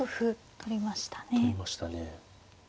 取りましたね。